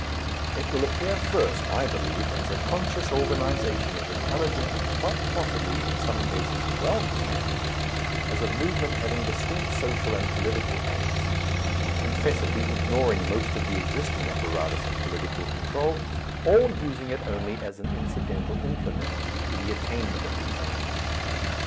It will appear first, I believe, as a conscious organization of intelligent and quite possibly in some cases wealthy men, as a movement having distinct social and political aims, confessedly ignoring most of the existing apparatus of political control, or using it only as an incidental implement in the attainment of these aims.